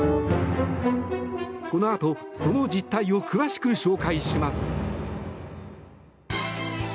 このあと、その実態を詳しく紹介します。